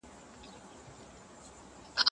پاچا به ویل چې هر څه د قسمت غوښتنه ده.